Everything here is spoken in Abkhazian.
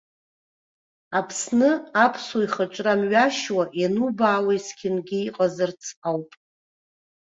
Аԥсны аԥсуа ихаҿра мҩашьо ианубаауа есқьынгьы иҟазарц ауп.